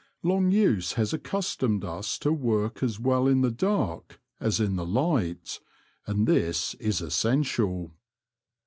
Long use has accustomed us to work as well in the dark as in the light, and this is essential.